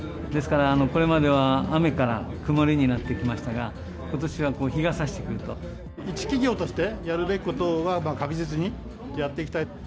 ですから、これまでは雨から曇りになってきましたが、ことしは日一企業として、やるべきことは、確実にやっていきたい。